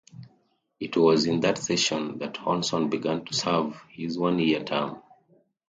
It was in that session that Hanson began to serve his one-year term.